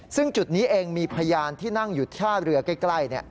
ซึ่งจุดนี้เองมีพยานที่นั่งอยู่ท่าเรือใกล้